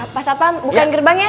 pasapam bukaan gerbang ya